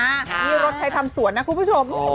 นี่รถใช้ทำสวนนะคุณผู้ชม